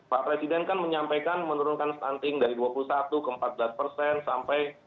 pak presiden kan menyampaikan menurunkan stunting dari dua puluh satu ke empat belas persen sampai